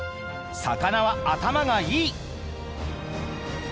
魚は頭がいい」。